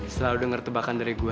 setelah lu denger tebakan dari gue